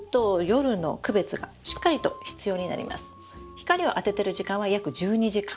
光をあててる時間は約１２時間。